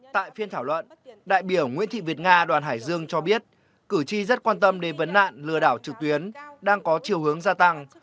tại phiên thảo luận đại biểu nguyễn thị việt nga đoàn hải dương cho biết cử tri rất quan tâm đến vấn nạn lừa đảo trực tuyến đang có chiều hướng gia tăng